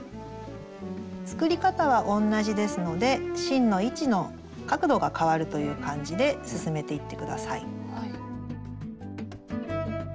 作り方は同じですので芯の位置の角度が変わるという感じで進めていって下さい。